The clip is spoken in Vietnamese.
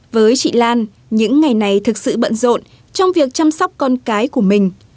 với chị lan những ngày này thực sự bận rộn trong việc chăm sóc con cái của mình